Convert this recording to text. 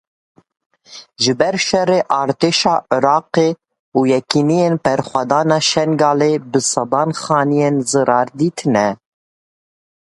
Ji ber şerê artêşa Iraqê û Yekîneyên Berxwedana Şingalê bi sedan xaniyan zirar dîtine.